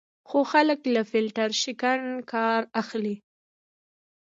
خو خلک له فیلټر شکن کار اخلي.